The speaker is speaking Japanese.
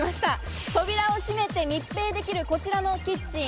扉を閉めて密閉できる、こちらのキッチン。